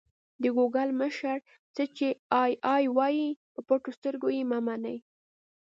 د ګوګل مشر: څه چې اې ای وايي په پټو سترګو یې مه منئ.